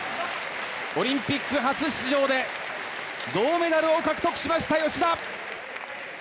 オリンピック初出場で銅メダルを獲得しました芳田。